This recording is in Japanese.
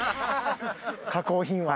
加工品は？